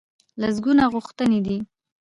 لسګونه غوښتنې دي.